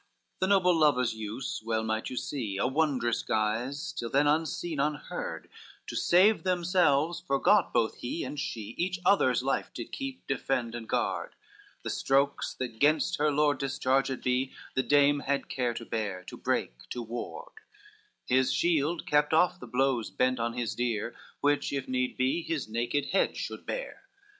XXXVI The noble lovers use well might you see, A wondrous guise, till then unseen, unheard, To save themselves forgot both he and she, Each other's life did keep, defend, and guard; The strokes that gainst her lord discharged be, The dame had care to bear, to break, to ward, His shield kept off the blows bent on his dear, Which, if need be, his naked head should bear.